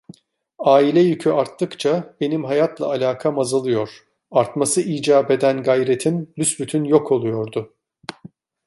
Aile yükü arttıkça benim hayatla alakam azalıyor, artması icap eden gayretim büsbütün yok oluyordu.